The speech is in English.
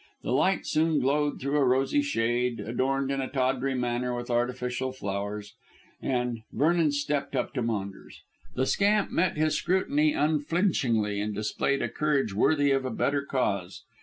The light soon glowed through a rosy shade, adorned in a tawdry manner with artificial flowers, and Vernon stepped up to Maunders. The scamp met his scrutiny unflinchingly, and displayed a courage worthy of a better cause.